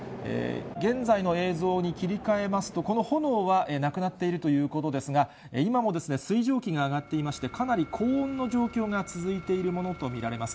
現在の映像に切り替えますと、この炎はなくなっているということですが、今も水蒸気が上がっていまして、かなり高温の状況が続いているものと見られます。